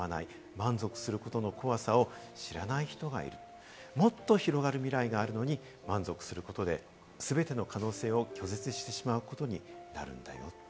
満足することの怖さを知らない人がいるともっと広がる未来があるのに、満足することで、全ての可能性を拒絶してしまうことになるんだよと。